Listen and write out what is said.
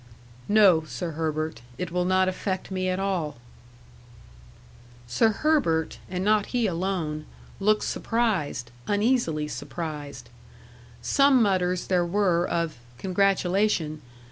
"No, Sir Herbert; it will not affect me at all." Sir Herbert, and not he alone looked surprised uneasily surprised. Some mutters there were of "congratulation."